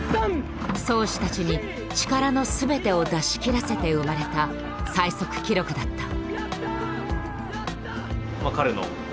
漕手たちに力の全てを出し切らせて生まれた最速記録だった。